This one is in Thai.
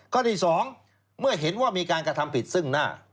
ข้อที่๒เมื่อเห็นว่ามีการกระทำผิดซึ่งหน้า